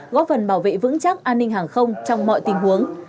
góp phần bảo vệ vững chắc an ninh hàng không trong mọi tình huống